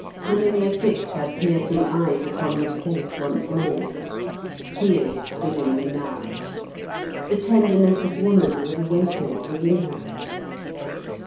Herminia fixed her piercing eyes upon his face once more. Tears stood in them now. The tenderness of woman was awakened within her.